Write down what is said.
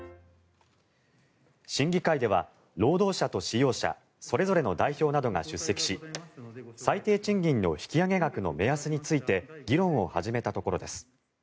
審議会では労働者と使用者それぞれの代表などが出席し最低賃金の引き上げ額の目安について議論を始めたところです。